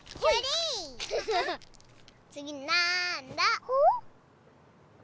つぎなんだ？